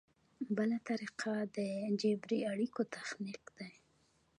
بله طریقه د جبري اړیکو تخنیک دی.